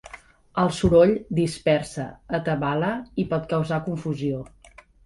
El soroll dispersa, atabala i pot causar confusió.